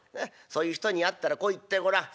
そういう人に会ったらこう言ってごらん。